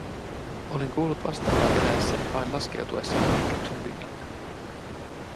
Olin kuullut vastaavaa eläessäni vain laskeutuessamme Hydruksen pinnalle.